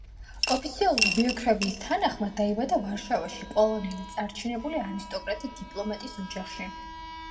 ოფიციალური ბიოგრაფიის თანახმად, დაიბადა ვარშავაში პოლონელი წარჩინებული არისტოკრატი დიპლომატის ოჯახში.